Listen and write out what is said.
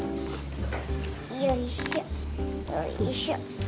よいしょよいしょ。